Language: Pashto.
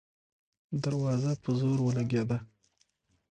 دروازه په زور ولګېده.